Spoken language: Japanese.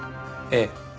ええ。